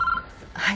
はい。